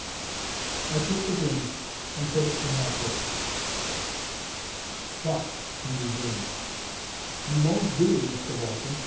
I took the guinea, and put it in my purse. "But," he resumed, "you won't do, Mr Walton.